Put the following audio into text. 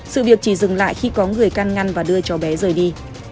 sự việc chỉ dừng lại khi có người can ngăn và đưa cho bé rời đi